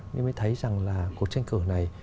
mình mới thấy rằng là cuộc tranh cử này